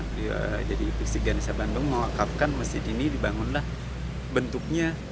beliau jadi piksiganesa bandung menguatkan masjid ini dibangunlah bentuknya